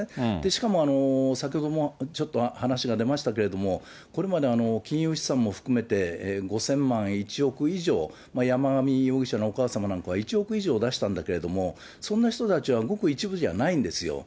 しかも、先ほどもちょっと話が出ましたけれども、これまで金融資産も含めて、５０００万、１億以上、山上容疑者のお母様は１億以上出したんだけれども、そんな人たちはごく一部じゃないんですよ。